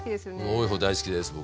多い方大好きです僕。